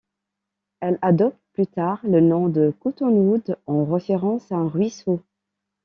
Elle adopte plus tard le nom de Cottonwood, en référence à un ruisseau.